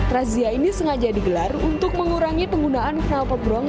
razia ini sengaja digelar untuk mengurangi penggunaan kenalpot bronk